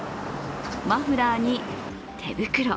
マフラーに手袋。